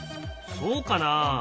そうかな？